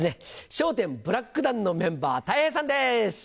笑点ブラック団のメンバーたい平さんです。